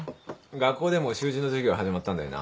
学校でも習字の授業始まったんだよな。